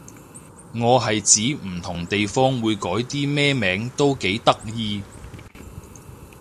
我係指唔同地方會改啲咩名都幾得意